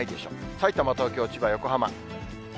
さいたま、東京、千葉、横浜。